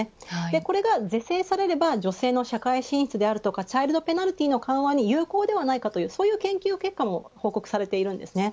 これが是正されれば女性の社会進出やチャイルドペナルティーの緩和に有効ではないかという研究結果も報告されているんです。